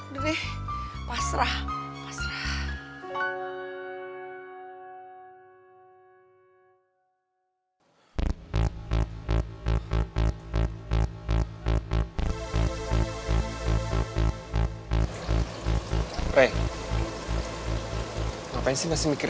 aduh deh pasrah pasrah